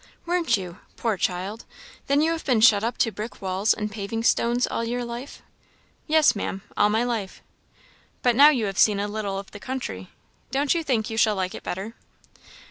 "Weren't you? Poor child! Then you have been shut up to brick walls and paving stones all your life?" "Yes, Maam, all my life." "But now you have seen a little of the country don't you think you shall like it better?"